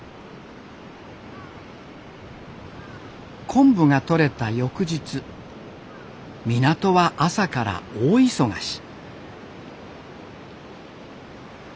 昆布がとれた翌日港は朝から大忙し。